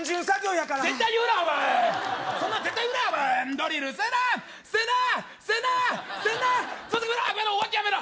やめろ